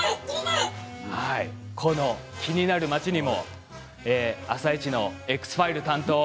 このキニナル町にも「あさイチ」の「Ｘ−ファイル」担当